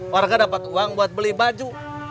warga dapat uang buat beli baju